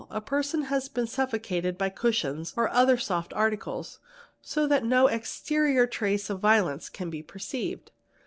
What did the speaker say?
a person has been suffocated by cushions or other soft articles, so that no exterior trace of violence can be perceived.